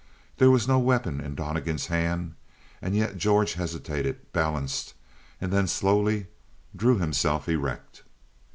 There was no weapon in Donnegan's hand, and yet George hesitated, balanced and then slowly drew himself erect.